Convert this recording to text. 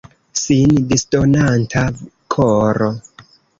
Sin disdonanta koro.